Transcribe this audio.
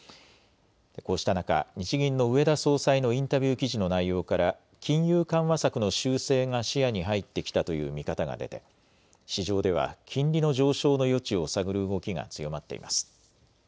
こうした中、日銀の植田総裁のインタビュー記事の内容から金融緩和策の修正が視野に入ってきたという見方が出て市場では金利の上昇の余地を探る動きが強まっています。